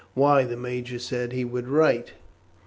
"Why, the major said he would write!"